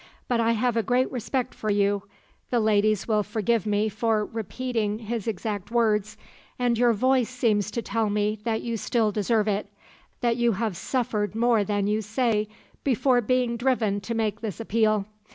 But I have a great respect for you' the ladies will forgive me for repeating his exact words 'and your voice seems to tell me that you still deserve it; that you have suffered more than you say before being driven to make this appeal.